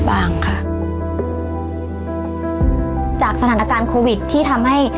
จากสถานการณ์โควิดที่ทำให้